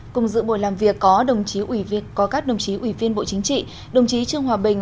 cùng dự buổi làm việc có các đồng chí ủy viên bộ chính trị đồng chí trương hòa bình